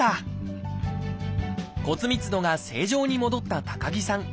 骨密度が正常に戻った高木さん。